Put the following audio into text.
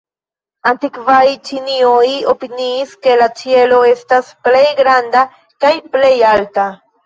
Antikvaj ĉinoj opiniis, ke la ĉielo estas plej granda kaj plej alta.